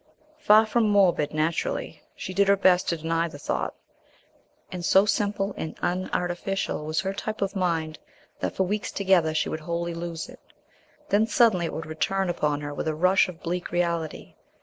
Far from morbid naturally, she did her best to deny the thought, and so simple and unartificial was her type of mind that for weeks together she would wholly lose it. Then, suddenly it would return upon her with a rush of bleak reality.